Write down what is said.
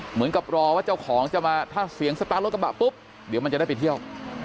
เหมือนกับรอว่าเจ้าของจะมาถ้าเสียงสตาร์ทรถกระบะปุ๊บเดี๋ยวมันจะได้ไปเที่ยว